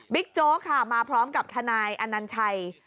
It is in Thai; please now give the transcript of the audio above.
บิ๊กโจ๊กค่ะมาพร้อมกับทนายอันนันชัย